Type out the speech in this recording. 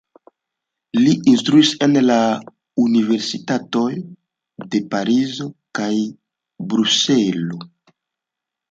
Li instruis en la universitatoj de Parizo kaj Bruselo.